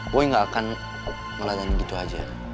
boy gak akan meladani gitu aja